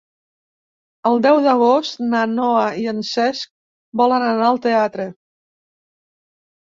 El deu d'agost na Noa i en Cesc volen anar al teatre.